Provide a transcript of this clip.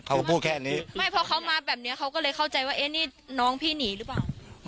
เขาพูดแค่นี้ไม่เพราะเขามาแบบเนี้ยเขาก็เลยเข้าใจว่าเอ๊ะนี่น้องพี่หนีหรือเปล่า